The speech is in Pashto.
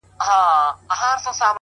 مــروره در څه نـه يمـه ه!!